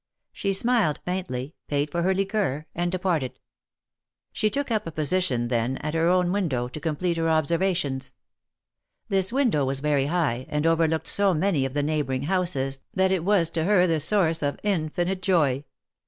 She si ;. y, paid for her liqueur, and departed. She took up a positi r, at her own window, to complete her observations. This window was very high, and overlooked so many of the neighboring houses that it was to her the source of infinite joy.